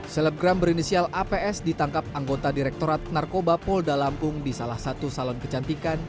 selebgram berinisial aps ditangkap anggota direktorat narkoba polda lampung di salah satu salon kecantikan